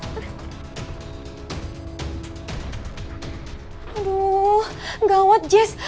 aduh gawat jess